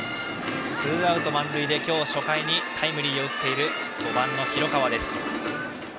ツーアウト満塁で今日初回にタイムリー打っている５番の広川です。